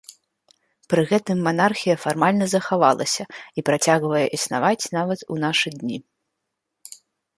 Пры гэтым манархія фармальна захавалася і працягвае існаваць нават у нашы дні.